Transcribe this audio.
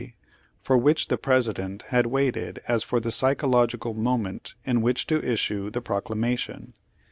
Page Ninety one for which the President had waited as for the psychological moment in which to issue the Proc lamation.